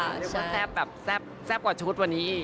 นี่ก็แซ่บแบบแซ่บกว่าชุดวันนี้